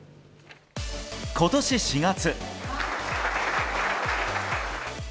今年４月。